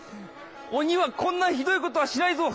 鬼はこんなひどいことはしないぞ。